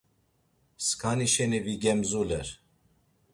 Skani şeni vigemzuler.